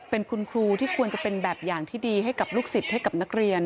เป็นคุณครูที่ควรจะเป็นแบบอย่างที่ดีให้กับลูกศิษย์ให้กับนักเรียน